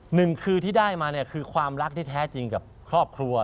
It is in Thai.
หนึ่งคือที่ได้มาเนี่ยคือความรักที่แท้จริงกับครอบครัว